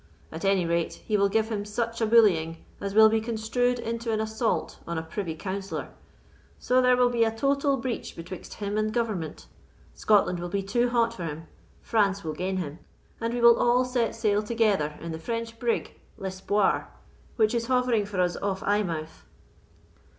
At any rate, he will give him such a bullying as will be construed into an assault on a privy councillor; so there will be a total breach betwixt him and government. Scotland will be too hot for him; France will gain him; and we will all set sail together in the French brig 'L'Espoir,' which is hovering for us off Eyemouth."